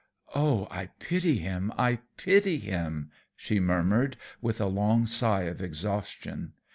"Oh, I pity him! I pity him!" she murmured, with a long sigh of exhaustion.